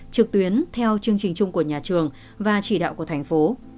trực tuyến theo chương trình chung của nhà trường và chỉ đạo của thành phố